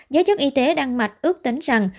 giới chức y tế đan mạch ước tính rằng